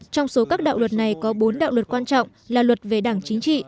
trong số các đạo luật này có bốn đạo luật quan trọng là luật về đảng chính trị